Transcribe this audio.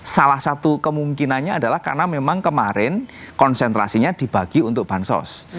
salah satu kemungkinannya adalah karena memang kemarin konsentrasinya dibagi untuk bansos